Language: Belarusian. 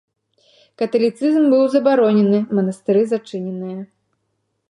Каталіцызм быў забаронены, манастыры зачыненыя.